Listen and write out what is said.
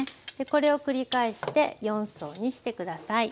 これを繰り返して４層にして下さい。